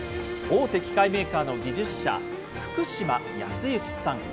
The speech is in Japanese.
大手機械メーカーの技術者、福島康之さん。